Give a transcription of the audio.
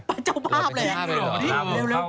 เป็นเจ้าภาพเลยเร็ว